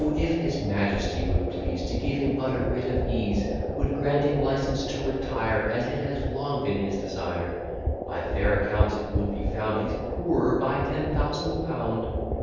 if his majesty would please To give him but a writ of ease, Would grant him license to retire, As it has long been his desire, By fair accounts it would be found, He's poorer by ten thousand pound.